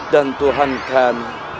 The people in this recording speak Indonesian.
dan tuhan kami